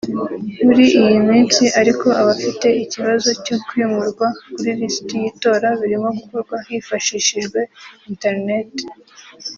muri iyi minsi ariko abafite ikibazo cyo kwimurwa kuri lisiti y’itora birimo gukorwa hifashishijwe internet